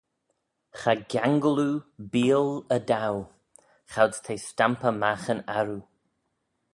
Cha giangle oo beeall y dow, choud's t'eh stampey magh yn arroo.